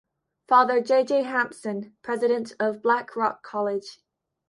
Father J. J. Hampson, President of Blackrock College.